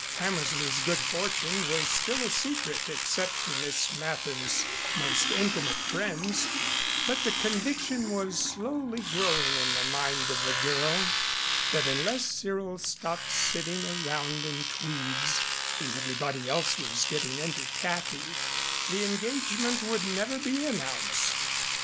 Hammersley's good fortune was still a secret except to Miss Mather's most intimate friends, but the conviction was slowly growing in the mind of the girl that unless Cyril stopped sitting around in tweeds when everybody else was getting into khaki, the engagement would never be announced.